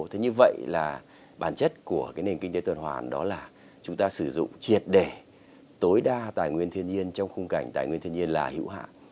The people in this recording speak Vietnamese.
thế như vậy là bản chất của cái nền kinh tế tuần hoàn đó là chúng ta sử dụng triệt để tối đa tài nguyên thiên nhiên trong khung cảnh tài nguyên thiên nhiên là hữu hạ